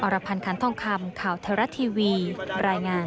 รพันธ์คันทองคำข่าวไทยรัฐทีวีรายงาน